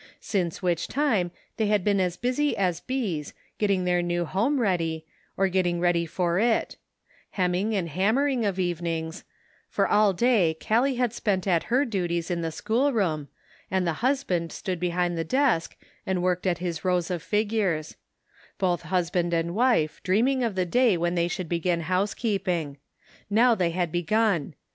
Since which time they had been as busy as bees, getting their new home ready, or getting ready for it ; hemming and hammering of eAren ings ; for all day Callie had spent at her duties in the school room, and the husband stood be hind the desk and worked at his rows of figures ; both husband and wife dreaming of the day when they should begin housekeeping. Now they had begun.